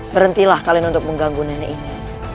berhenti lah kalian untuk mengganggu nenek ini